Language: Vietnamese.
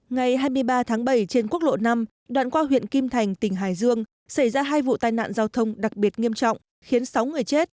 ngày hai mươi ba tháng bảy trên quốc lộ năm đoạn qua huyện kim thành tỉnh hải dương xảy ra hai vụ tai nạn giao thông đặc biệt nghiêm trọng khiến sáu người chết